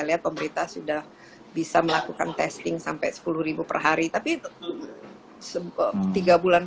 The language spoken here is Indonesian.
lihat pemerintah sudah bisa melakukan testing sampai sepuluh perhari tapi sebab tidak bulan